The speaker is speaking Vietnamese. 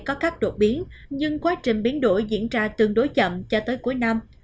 có các đột biến nhưng quá trình biến đổi diễn ra tương đối chậm cho tới cuối năm